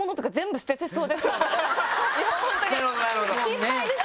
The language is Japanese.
心配です